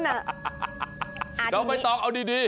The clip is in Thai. แล้วไม่ต้องเอาดี